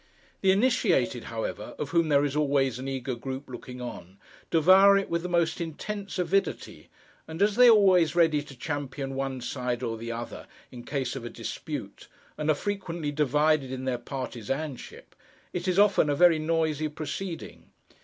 The initiated, however, of whom there is always an eager group looking on, devour it with the most intense avidity; and as they are always ready to champion one side or the other in case of a dispute, and are frequently divided in their partisanship, it is often a very noisy proceeding.